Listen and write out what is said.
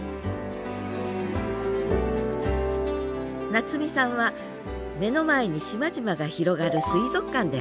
七海さんは目の前に島々が広がる水族館で働いています。